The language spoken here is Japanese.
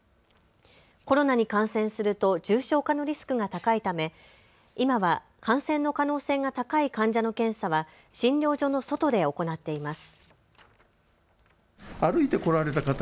コロナに感染すると重症化のリスクが高いため今は感染の可能性が高い患者の検査は診療所の外で行っています。